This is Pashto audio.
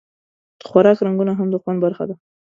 د خوراک رنګونه هم د خوند برخه ده.